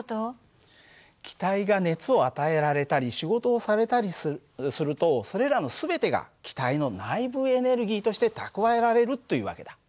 気体が熱を与えられたり仕事をされたりするとそれらの全てが気体の内部エネルギーとして蓄えられるという訳だ。